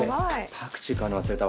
パクチー買うの忘れたわ。